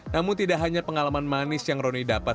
namun tidak hanya pengalaman manis yang roni dapat